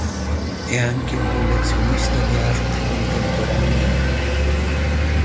È anche un collezionista di arte contemporanea.